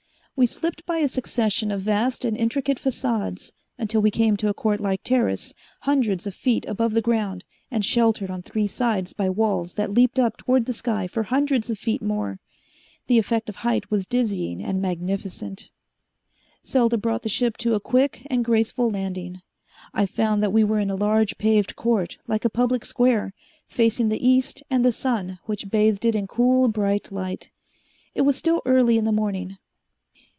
We slipped by a succession of vast and intricate façades until we came to a court like terrace, hundreds of feet above the ground and sheltered on three sides by walls that leaped up toward the sky for hundreds of feet more. The effect of height was dizzying and magnificent. Selda brought the ship to a quick and graceful landing. I found that we were in a large paved court like a public square, facing the east and the sun, which bathed it in cool bright light. It was still early in the morning.